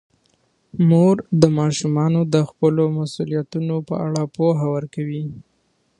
مور د ماشومانو د خپلو مسوولیتونو په اړه پوهه ورکوي.